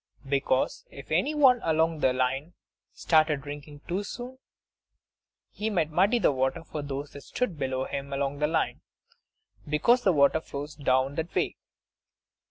Because if any one along the line started drinking too soon, he might muddy the water for those that stood below him along the line, because the water flows down that way.